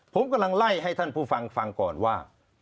ผมกำลังไล่ให้ท่านผู้ฟังฟังก่อนว่า